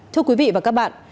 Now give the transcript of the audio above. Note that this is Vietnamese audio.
thưa quý vị và các bạn